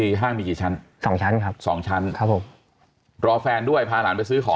มีห้างมีกี่ชั้นสองชั้นครับสองชั้นครับผมรอแฟนด้วยพาหลานไปซื้อของ